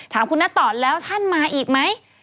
ถามคุณนัทต่อแล้วท่านมาอีกไหม